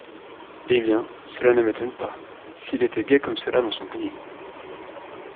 Eh bien, cela ne m'étonne pas, s'il était gai comme cela dans son pays.